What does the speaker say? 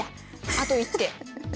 あと１手。